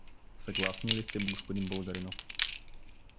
Съгласни ли сте, господин българино?